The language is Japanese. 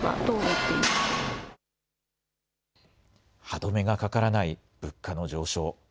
歯止めがかからない物価の上昇。